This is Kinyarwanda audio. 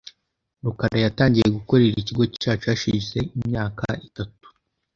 rukara yatangiye gukorera ikigo cyacu hashize imyaka itatu .